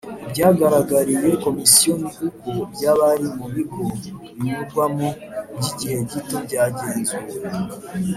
Ibyagaragariye Komisiyo ni uko by abari mu Bigo binyurwamo by igihe gito byagenzuwe